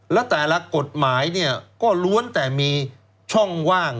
และแต่ละกฎหมายเนี่ยก็ล้วนแต่มีช่องว่าง